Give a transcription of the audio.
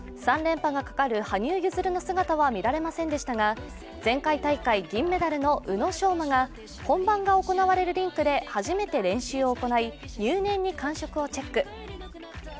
３連覇がかかる羽生結弦の姿は見られませんでしたが前回大会銀メダルの宇野昌磨が本番が行われるリンクで初めて練習を行い、入念に感触をチェック。